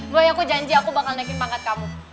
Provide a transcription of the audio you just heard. boy boy aku janji aku bakal naikin pangkat kamu